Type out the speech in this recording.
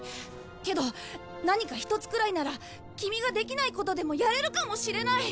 けど何か一つくらいならキミができないことでもやれるかもしれない！